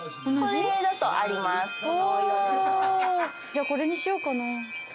じゃあこれにしようかな。